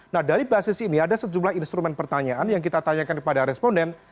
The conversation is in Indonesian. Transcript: nah dari basis ini ada sejumlah instrumen pertanyaan yang kita tanyakan kepada responden